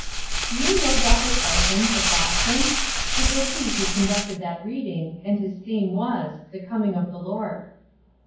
Do you know Dr. Parsons, of Boston? It was he who conducted that reading, and his theme was, "The Coming of the Lord."